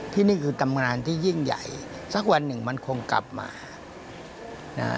ที่นี่คือตำนานที่ยิ่งใหญ่สักวันหนึ่งมันคงกลับมานะฮะ